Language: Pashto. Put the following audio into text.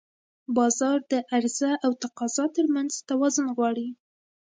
بازار د عرضه او تقاضا ترمنځ توازن غواړي.